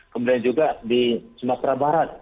kemudian juga di sumatera barat